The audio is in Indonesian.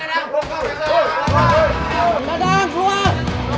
kang gadang keluar